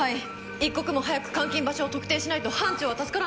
一刻も早く監禁場所を特定しないと班長は助からない。